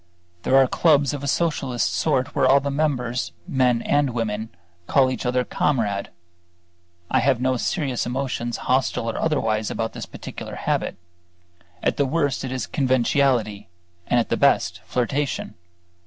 There are clubs of a Socialist sort where all the members, men and women, call each other "Comrade." I have no serious emotions, hostile or otherwise, about this particular habit: at the worst it is conventionality, and at the best flirtation.